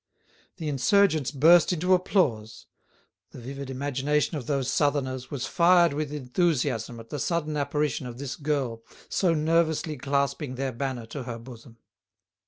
The insurgents burst into applause. The vivid imagination of those Southerners was fired with enthusiasm at the sudden apparition of this girl so nervously clasping their banner to her bosom.